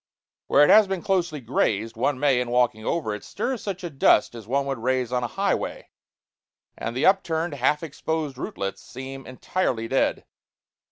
Where it has been closely grazed, one may, in walking over it, stir such a dust as one would raise on a highway; and the upturned, half exposed rootlets seem entirely dead.